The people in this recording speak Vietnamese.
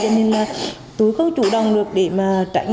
cho nên là tôi không chủ động được để mà tránh